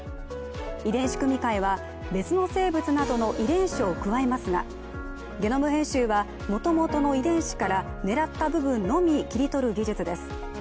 遺伝子組み換えは、別の生物などの遺伝子を加えますが、ゲノム編集はもともとの遺伝子から狙った部分のみ切り取る技術です。